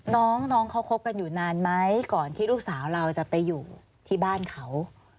น้องเขาคบกันอยู่นานไหมก่อนที่ลูกสาวเราจะไปอยู่ที่บ้านเขา